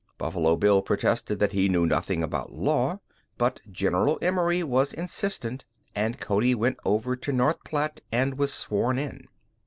Buffalo Bill protested that he knew nothing about law, but General Emory was insistent and Cody went over to North Platte and was sworn in.